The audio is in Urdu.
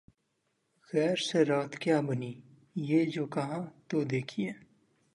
’’ غیر سے رات کیا بنی ‘‘ یہ جو کہا‘ تو دیکھیے